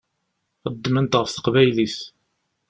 Xeddment ɣef teqbaylit.